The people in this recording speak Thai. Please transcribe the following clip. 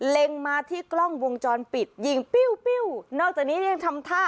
เล็งมาที่กล้องวงจรปิดยิงปิ้วปิ้วนอกจากนี้ยังทำท่า